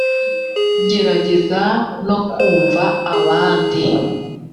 gerageza no kumva abandi .